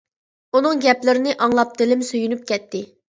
ئۇنىڭ گەپلىرىنى ئاڭلاپ دىلىم سۆيۈنۈپ كەتتى.